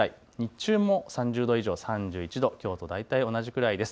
日中も３０度以上３１度、きょうと大体同じくらいです。